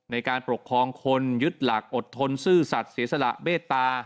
ในการปกครองคนยึดหลักอดทนซื่อสัตว์เสียสละเมตตา